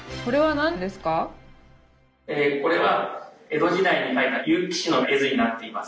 これは江戸時代にかいた結城市の絵図になっています。